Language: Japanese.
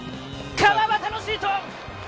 川畑のシュート！